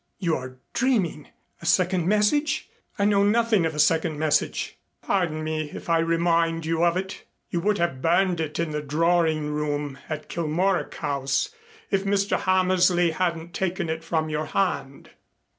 "You are dreaming. A second message? I know nothing of a second message." "Pardon me, if I remind you of it. You would have burned it in the drawing room at Kilmorack House if Mr. Hammersley hadn't taken it from your hand."